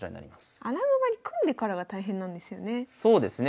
穴熊に組んでからが大変なんですよね。